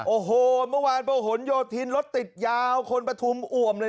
โอ้โหเมื่อวานพระหลโยธินรถติดยาวคนปฐุมอ่วมเลย